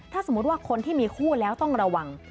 ถ้าสมมุติว่าคนที่มีคู่แล้วต้องระวัง